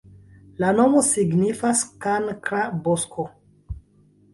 La nomo signifas: kankra-bosko.